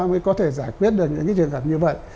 mới có thể giải quyết được những trường hợp như vậy